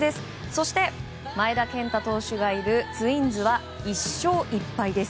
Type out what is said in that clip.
そして、前田健太投手がいるツインズは１勝１敗です。